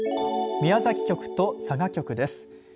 宮崎局と佐賀局です。